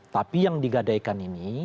tapi yang digadaikan ini